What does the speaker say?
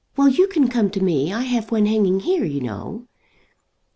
Well, you can come to me. I have one hanging here, you know."